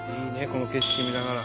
この景色見ながら。